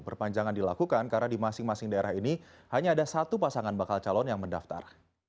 perpanjangan dilakukan karena di masing masing daerah ini hanya ada satu pasangan bakal calon yang mendaftar